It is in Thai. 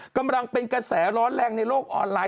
กำลังเป็นกระแสร้อนแรงในโลกออนไลน